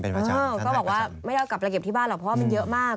เออก็บอกว่าไม่ได้เอากลับไปเก็บที่บ้านหรอกเพราะว่ามันเยอะมาก